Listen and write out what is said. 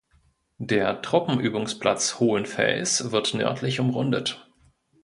Der Truppenübungsplatz Hohenfels wird nördlich umrundet.